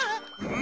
ん？